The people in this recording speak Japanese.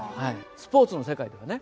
スポーツの世界ではね